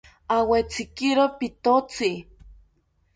Awetzikiro pitotzi